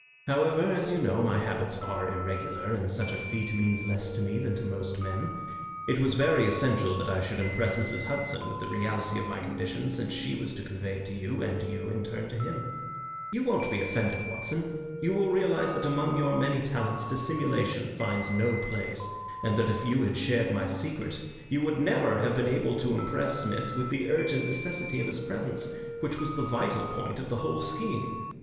"However, as you know, my habits are irregular, and such a feat means less to me than to most men. It was very essential that I should impress Mrs. Hudson with the reality of my condition, since she was to convey it to you, and you in turn to him. You won't be offended, Watson? You will realize that among your many talents dissimulation finds no place, and that if you had shared my secret you would never have been able to impress Smith with the urgent necessity of his presence, which was the vital point of the whole scheme.